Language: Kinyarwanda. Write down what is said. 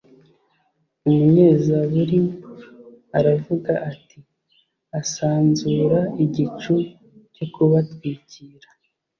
umunyezaburi aravuga ati asanzura igicu cyo kubatwikira